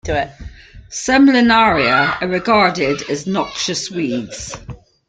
Some "Linaria" are regarded as noxious weeds.